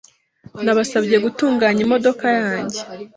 Nabasabye gutunganya imodoka yanjye .